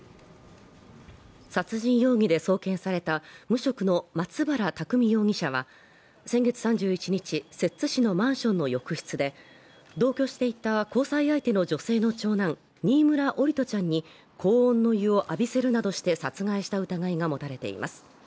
殺人容疑で送検された無職の松原拓海容疑者は先月３１日、摂津市のマンションの浴室で同居していた交際相手の女性の長男新村桜利斗ちゃんに高温の湯を浴びせるなどして殺害した疑いが持たれています。